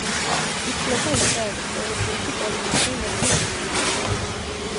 ითვლება ისრაელის პოეზიაში პოლიტიკური ლექსის ფუძემდებლად.